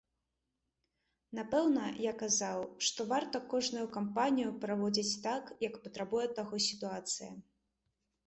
Напэўна, я казаў, што варта кожную кампанію праводзіць так, як патрабуе таго сітуацыя.